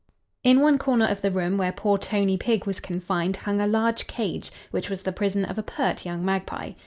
_ In one corner of the room where poor Tony Pig was confined, hung a large cage, which was the prison of a pert young magpie.